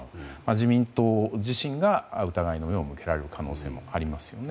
自民党自身が疑いの目を向けられる可能性もありますよね。